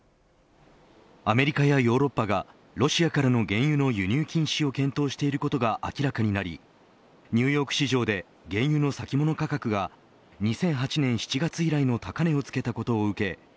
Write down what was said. アメリカやヨーロッパがロシアからの原油の輸入禁止を検討していることが明らかになりニューヨーク市場で原油の先物価格が２００８年７月以来の高値をつけたことを受け